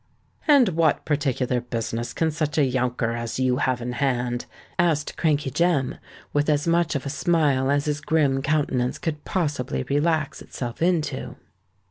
"And what particular business can such a younker as you have in hand?" asked Crankey Jem, with as much of a smile as his grim countenance could possibly relax itself into.